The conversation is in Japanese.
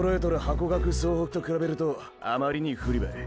ハコガク総北と比べるとあまりに不利ばい。